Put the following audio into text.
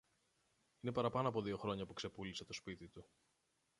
Είναι παραπάνω από δυο χρόνια που ξεπούλησε το σπίτι του